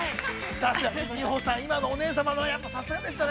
さすが、美穂さん、今のお姉様の、さすがでしたね。